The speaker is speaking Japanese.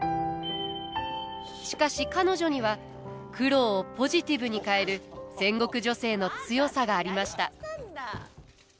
しかし彼女には苦労をポジティブに変える戦国女性の強さがありました。